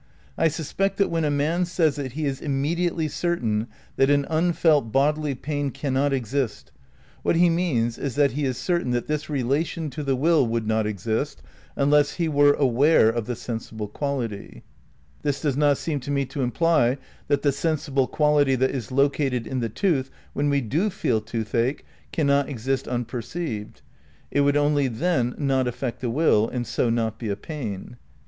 "I suspect that when a man says that he is immediately certain that an unfelt bodily pain cannot exist, what he means is that he is certain that this relation to the will would not exist unless he were aware of the sensible quality." (Perception, Physics and Reality: "This does not seem to me to imply that the sensible quality that is located in the tooth when we do feel toothache cannot exist unper ceived. It would only then not affect the will and so not be a pain."